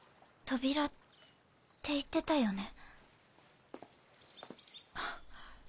扉って言ってたよね？